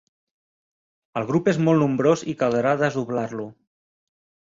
El grup és molt nombrós i caldrà desdoblar-lo.